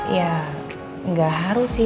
ya nggak harus sih